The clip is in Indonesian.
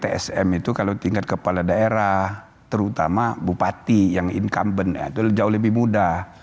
tsm itu kalau tingkat kepala daerah terutama bupati yang incumbent itu jauh lebih mudah